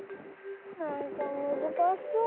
なんかむずかしそう。